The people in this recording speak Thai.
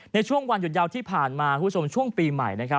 ในช่วงวันหยุดยาวที่ผ่านมาคุณผู้ชมช่วงปีใหม่นะครับ